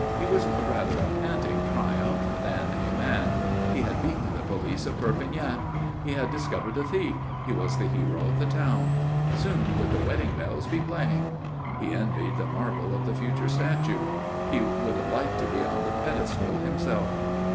He was rather a panting triumph than a man. He had beaten the police of Perpignan. He had discovered the thief. He was the hero of the town. Soon would the wedding bells be playing.... He envied the marble of the future statue. He would like to be on the pedestal himself.